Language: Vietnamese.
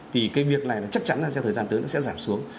thì cái việc này nó chắc chắn là trong thời gian tới nó sẽ giảm xuống